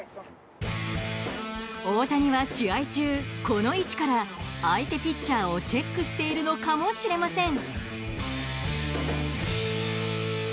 大谷は試合中、この位置から相手ピッチャーをチェックしているのかもしれません。